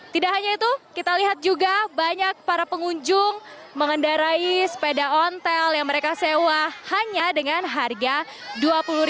tidak hanya itu kita lihat juga banyak para pengunjung mengendarai sepeda ontel yang mereka sewa hanya dengan harga rp dua puluh